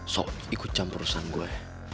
sok ikut campurusan gue